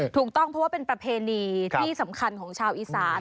ถูกต้องเพราะว่าเป็นประเพณีที่สำคัญของชาวอีสาน